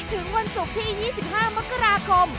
ถึงวันศุกร์ที่๒๕มกราคม